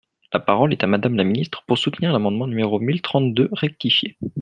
La parole est à Madame la ministre, pour soutenir l’amendement numéro mille trente-deux rectifié.